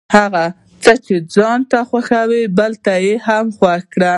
چې هغه څه ځانته خوښوي بل ته یې هم خوښ کړي.